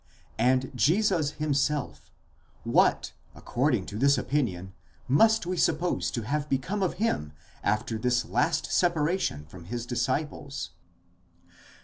And Jesus himself—what, accord ing 'to this opinion, must we suppose to have become of him after this last separation from his disciples?